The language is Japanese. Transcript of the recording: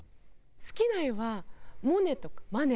好きな絵はモネとかマネ。